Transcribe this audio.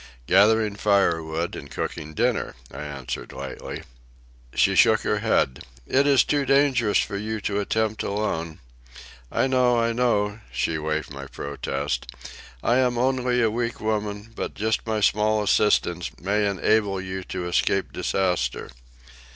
"Gathering firewood and cooking dinner," I answered lightly. She shook her head. "It is too dangerous for you to attempt alone." "I know, I know," she waived my protest. "I am only a weak woman, but just my small assistance may enable you to escape disaster."